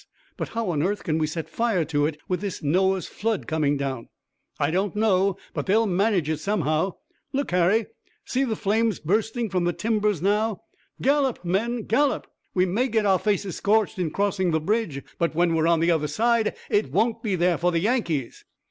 "But how on earth can we set fire to it with this Noah's flood coming down?" "I don't know. They'll manage it somehow. Look, Harry, see the flames bursting from the timbers now. Gallop, men! Gallop! We may get our faces scorched in crossing the bridge, but when we're on the other side it won't be there for the Yankees!"